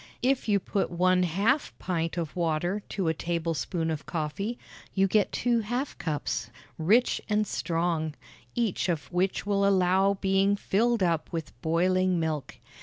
If you put one half pint of water to a tablespoonful of coffee, you get two half cups, rich and strong, each of which will allow being filled up with boiling milk.